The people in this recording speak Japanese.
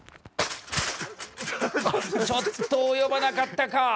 ちょっと及ばなかったか？